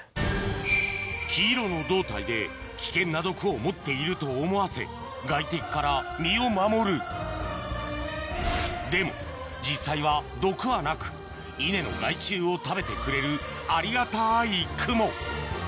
黄色の胴体で危険な毒を持っていると思わせ外敵から身を守るでも実際は毒はなく稲のありがたいクモ